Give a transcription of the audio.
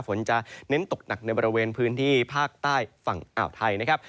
ฝนจะเน้นตกหนักในบริเวณพื้นที่ภาคใต้ฝั่งอ่าวไทยนะครับ